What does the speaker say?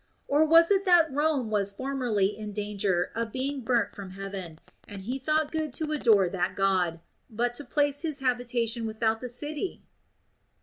Or was it that Rome was formerly in danger of being burnt from heaven ; and he thought good to adore that God, but to place his habitation without the city